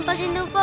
lepasin tuh apa